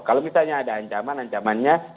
kalau misalnya ada ancaman ancamannya